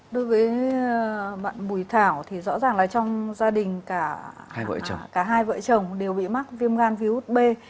đối với bạn bùi thảo thì rõ ràng là trong gia đình cả hai vợ chồng đều bị mắc viêm gan virus b